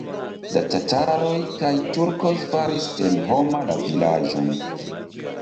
La tataroj kaj turkoj faris senhoma la vilaĝon.